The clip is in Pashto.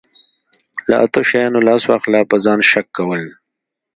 له اتو شیانو لاس واخله په ځان شک کول.